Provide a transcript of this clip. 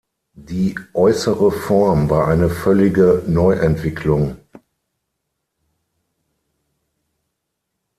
Die äußere Form war eine völlige Neuentwicklung.